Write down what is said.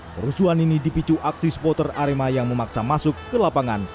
kerusuhan ini dipicu aksi supporter arema yang memaksa masuk ke lapangan